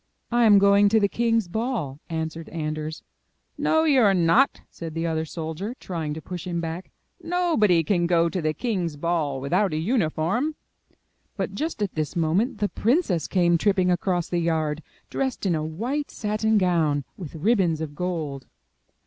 I am going to the king's ball," answered Anders. *'No, you are not," said the other soldier, trying to push him back. ''Nobody can go to the king's ball without a uniform." But just at this moment the princess came tripping across the yard, dressed in a white satin gown, with ribbons of gold.